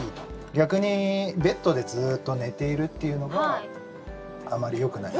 逆にベッドでずっと寝ているっていうのは、あまりよくない。